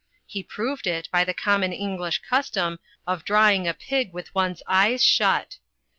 He proved it by the common English custom of drawing a pig with one's eyes shut.